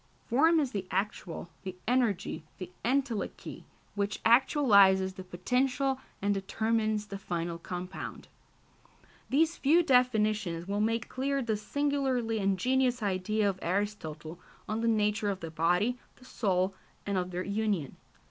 Form is the actual, the energy, the entelechy which actualises the potential and determines the final compound. These few definitions will make clear the singularly ingenious idea of Aristotle on the nature of the body, the soul, and of their union.